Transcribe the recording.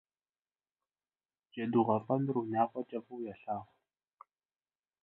Особенная кошка - любимица всей семьи